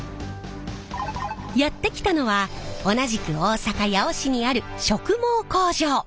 やって来たのは同じく大阪・八尾市にある植毛工場。